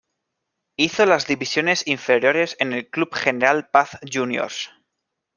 Hizo las divisiones inferiores en el Club General Paz Juniors.